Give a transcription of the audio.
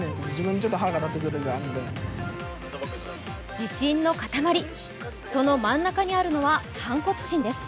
自信の塊、その真ん中にあるのは反骨心です。